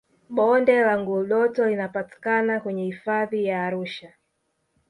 bonde la ngurdoto linapatikana kwenye hifadhi ya arusha